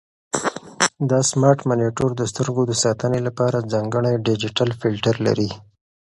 دا سمارټ مانیټور د سترګو د ساتنې لپاره ځانګړی ډیجیټل فلټر لري.